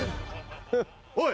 おい！